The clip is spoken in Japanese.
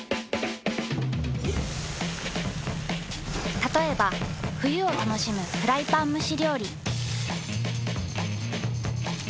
たとえば冬を楽しむフライパン蒸し料理。